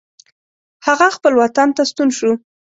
هغه خپل وطن ته ستون شو.